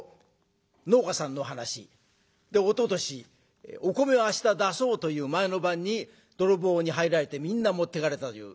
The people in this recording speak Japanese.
おととしお米を明日出そうという前の晩に泥棒に入られてみんな持っていかれたという。